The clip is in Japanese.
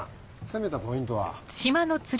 攻めたポイントは？